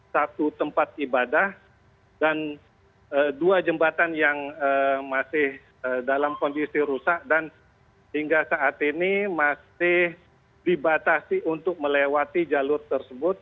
satu tempat ibadah dan dua jembatan yang masih dalam kondisi rusak dan hingga saat ini masih dibatasi untuk melewati jalur tersebut